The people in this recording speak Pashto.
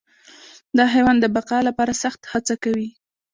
دا حیوان د بقا لپاره سخت هڅه کوي.